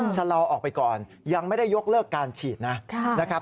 ถ้าเราออกไปก่อนยังไม่ได้ยกเลิกการฉีดนะ